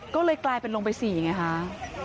ก็เลยกลายเป็นลงไปสี่อย่างนี้ค่ะ